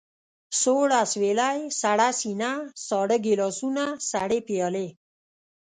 سوړ اسوېلی، سړه سينه، ساړه ګيلاسونه، سړې پيالې.